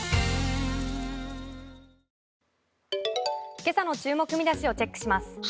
今朝の注目見出しをチェックします。